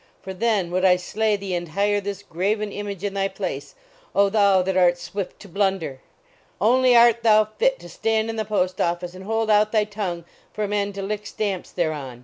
For then would I slay thee and hire this grav en image in thy place, O thou that art swift to blunder! Only art thou fit to stand in the post office and hold out thy tongue for men to lick stamps thereon